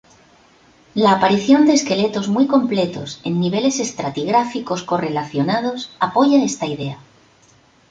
La aparición de esqueletos muy completos en niveles estratigráficos correlacionados apoya esta idea.